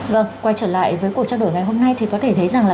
vâng quay trở lại với cuộc trao đổi ngày hôm nay thì có thể thấy rằng là